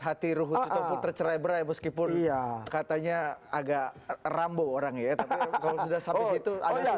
hati roh tercerai berai meskipun iya katanya agak rambo orang ya kalau sudah sampai itu